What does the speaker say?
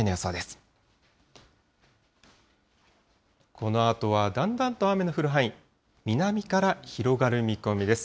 このあとはだんだんと雨の降る範囲、南から広がる見込みです。